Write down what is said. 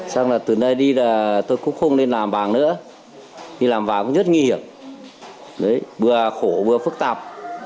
xong rồi từ nơi đi là tôi cũng không nên làm vàng nữa vì làm vàng cũng rất nghi hiểm bừa khổ bừa phức tạp